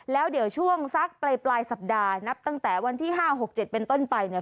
แล้วเดี๋ยวช่วงสักปลายสัปดาห์นับตั้งแต่วันที่๕๖๗เป็นต้นไปเนี่ย